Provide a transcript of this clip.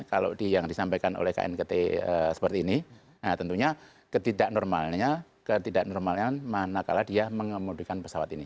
kalau yang disampaikan oleh knkt seperti ini tentunya ketidak normalnya manakala dia mengemudikan pesawat ini